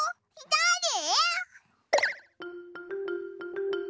だれ？